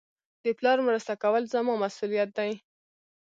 د پلار مرسته کول زما مسئولیت دئ.